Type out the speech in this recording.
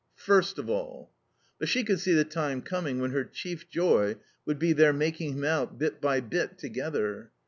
First of all. But she could see the time coming when her chief joy would be their making him out, bit by bit, together.